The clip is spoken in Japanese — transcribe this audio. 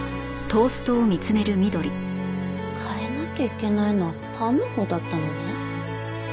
変えなきゃいけないのはパンのほうだったのね。